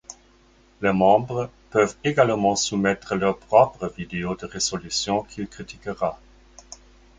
Les membres peuvent également soumettre leurs propres vidéos de résolution qu'il critiquera.